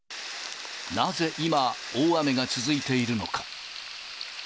なぜ今、大雨が続いているのか。